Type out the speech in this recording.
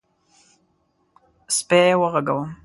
_سپی وغږوم؟